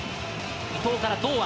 伊藤から堂安。